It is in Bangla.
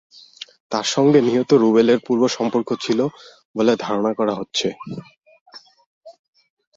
তাঁদের সঙ্গে নিহত রুবেলের পূর্ব সম্পর্ক ছিল বলে ধারণা করা হচ্ছে।